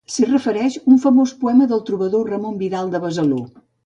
S'hi refereix un famós poema del trobador Ramon Vidal de Besalú.